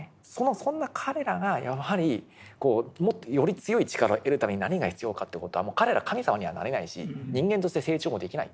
そんな彼らがやはりより強い力を得るために何が必要かって事は彼らは神様にはなれないし人間として成長もできない。